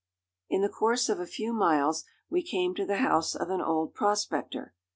In the course of a few miles we came to the house of an old prospector.